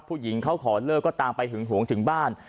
ผู้หญิงเขาขอเลิกก็ตามไปหึงหวงถึงบ้าน